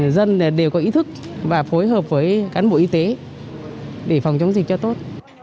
dân đều có ý thức và phối hợp với cán bộ y tế để phòng chống dịch cho tốt